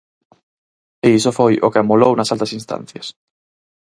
E iso foi o que amolou nas altas instancias.